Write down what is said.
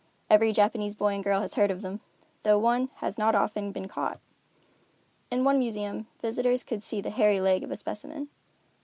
Every Japanese boy and girl has heard of them, though one has not often been caught. In one museum, visitors could see the hairy leg of a specimen.